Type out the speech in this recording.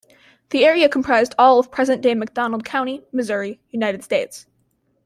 The area comprised all of present-day McDonald County, Missouri, United States.